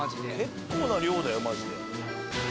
結構な量だよマジで。